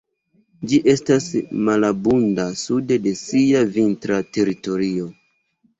Ĝi estas malabunda sude de sia vintra teritorio.